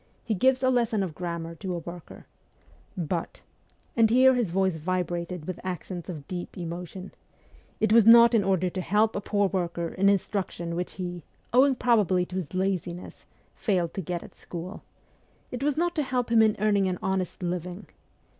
He gives a lesson of grammar to a worker. ... But ' and here his voice vibrated with accents of deep emotion ' it was not in order to help a poor worker in instruction which he, owing probably to his laziness, failed to get at school. It was not to help him in earning an honest living.